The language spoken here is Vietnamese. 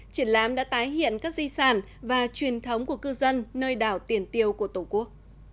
triển lãm đã tái hiện các di sản và truyền thống của cư dân nơi đảo tiền tiêu của tổ quốc